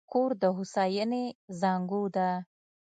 کور د هوساینې زانګو ده.